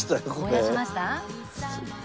思い出しました？